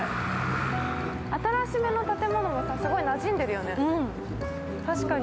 新しめの建物もすごいなじんでるよね。